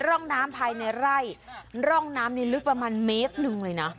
ร่องน้ำภายในไร่ร่องน้ำนี่ลึกประมาณเมตรหนึ่งเลยนะ